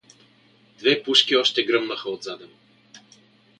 Две пушки още гръмнаха отзаде му.